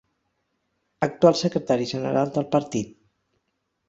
Actual secretari general del Partit.